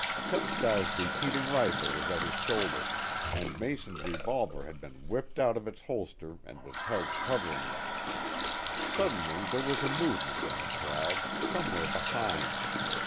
Chepstow's repeating rifle was at his shoulder, and Mason's revolver had been whipped out of its holster and was held covering them. Suddenly there was a movement in the crowd, somewhere behind.